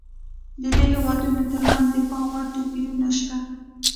د دې هېوادونو ترمنځ د پاموړ توپیرونه شته.